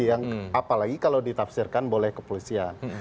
yang apalagi kalau ditafsirkan boleh kepolisian